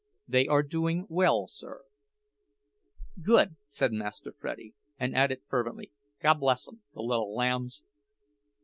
"They are doing well, sir." "Good!" said Master Freddie; and added fervently: "God bless 'em, the little lambs!"